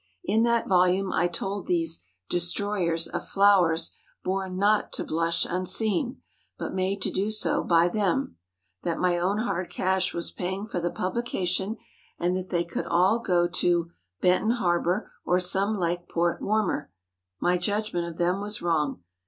In that volume I told these "destroyers" of flow¬ ers born not to blush unseen, but made to do so by them; that my own hard cash was paying for the publication and that they could all go to—Benton Harbor or some lake port warmer. My judgment of them was wrong.